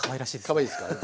かわいいですか。